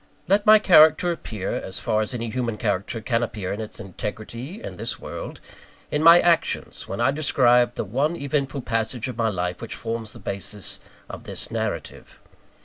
Let my character appear as far as any human character can appear in its integrity, in this world in my actions, when I describe the one eventful passage in my life which forms the basis of this narrative.